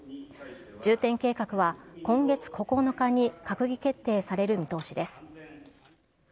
重点計画は、今月９日に閣議決定される見通しです。